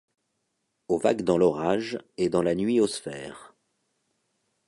Aux vagues dans l'orage et dans la nuit aux sphères ;